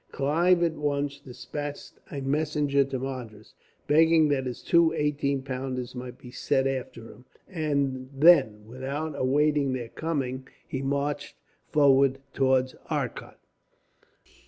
Clive at once despatched a messenger to Madras, begging that two eighteen pounders might be sent after him; and then, without awaiting their coming he marched forward against Arcot.